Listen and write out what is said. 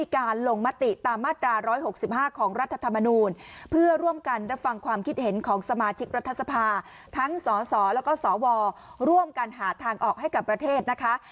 ของรัฐธรรมนูญเพื่อร่วมกันรับฟังความคิดเห็นของสมาชิกรัฐทรภาคทั้งศและก็ศวร่วมกันหาทางออกให้กับประเทศนะคะ